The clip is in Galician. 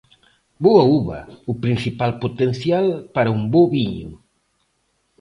Boa uva, o principal potencial para un bo viño.